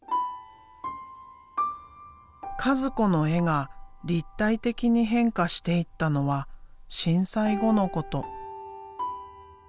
和子の絵が立体的に変化していったのは震災後のこと。